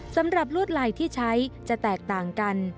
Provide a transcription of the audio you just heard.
ลวดลายที่ใช้จะแตกต่างกัน